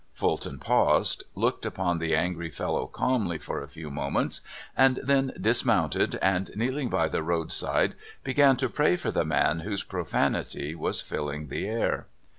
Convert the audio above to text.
Fulton paused, looked upon the angry fellow calmly for a few^ moments, and then dismounted, and, kneeling by the road side, began to pray for the man whose profanity was filling the air.